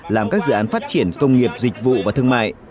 làm các dự án phát triển công nghiệp dịch vụ và thương mại